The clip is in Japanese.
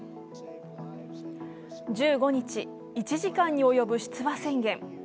１５日、１時間に及ぶ出馬宣言。